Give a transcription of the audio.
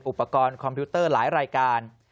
คอมพิวเตอร์หลายรายการ